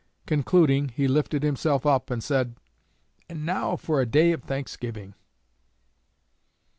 Concluding, he lifted himself up and said, 'And now for a day of Thanksgiving!'"